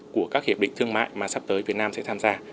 của các hiệp định thương mại mà sắp tới việt nam sẽ tham gia